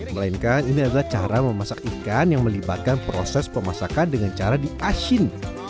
melainkan ini adalah cara memasak ikan yang melibatkan proses pemasakan dengan cara diasin